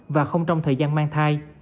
và không trong thời gian mang thai